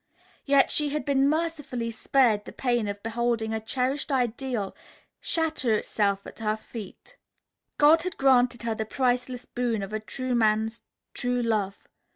Yet she had been mercifully spared the pain of beholding a cherished ideal shatter itself at her feet. God had granted her the priceless boon of a true man's true love.